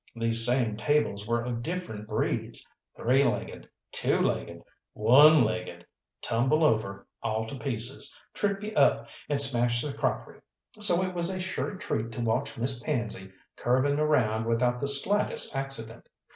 These same tables were of different breeds, three legged, two legged, one legged, tumble over, all to pieces, trip you up, and smash the crockery, so it was a sure treat to watch Miss Pansy curving around without the slightest accident.